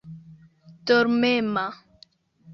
dormema